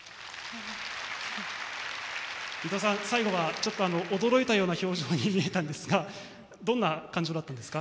伊藤さん、最後は驚いたような表情に見えたんですがどんな感情だったんでしょうか？